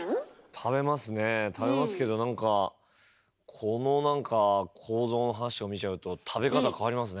食べますけど何かこの何か構造の話を見ちゃうと食べ方変わりますね。